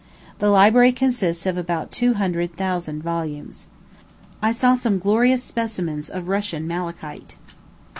The library consists of about two hundred thousand volumes. I saw some glorious specimens of Russian malachite.